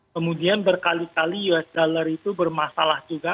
kemudian berkali kali us dollar itu bermasalah juga